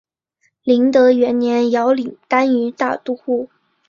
麟德元年遥领单于大都护。